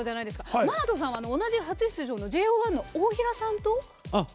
ＭＡＮＡＴＯさんは同じ初出場のＪＯ１の大平さんと。